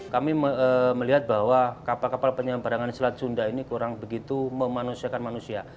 kami melihat bahwa kapal kapal penyeberangan selat sunda ini kurang begitu memanusiakan manusia